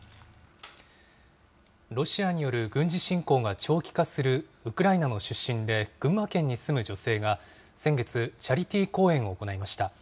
ロシアによる軍事侵攻が長期化するウクライナの出身で群馬県に住む女性が、先月、チャリティー公演を行いました。